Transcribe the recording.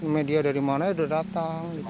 media dari mana ya udah datang